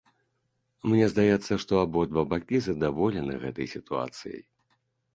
Мне здаецца, што абодва бакі задаволены гэтай сітуацыяй.